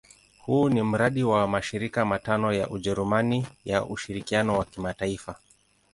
Huu ni mradi wa mashirika matano ya Ujerumani ya ushirikiano wa kimataifa.